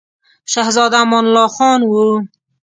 شهزاده امان الله خان وو.